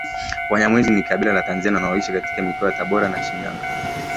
Wanyamwezi ni kabila la Tanzania wanaoishi katika mikoa ya Tabora na Shinyanga